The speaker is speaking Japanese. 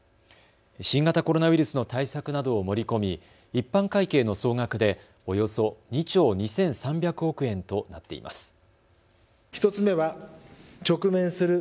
新型コロナウイルスの対策などを盛り込み一般会計の総額でおよそ２兆２３００億円となっています。